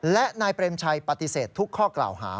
และนายเปรมชัยปฏิเสธทุกข้อกล่าวหา